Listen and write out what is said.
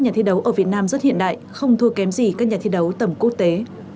nhà thi đấu ở việt nam rất hiện đại không thua kém gì các nhà thi đấu tầm quốc tế